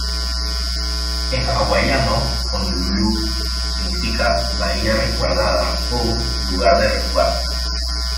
En hawaiano, "Honolulu" significa "bahía resguardada" o "lugar de resguardo".